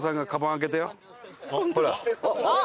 あっ！